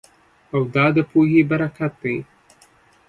او دا د پوهې برکت دی